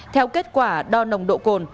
theo kết quả đo nồng độ cồn